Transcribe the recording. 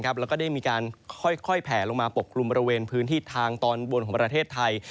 แล้วก็ได้มีการค่อยแผลลงมาปกกลุ่มบริเวณพื้นที่ทางตอนบนของประเทศไทย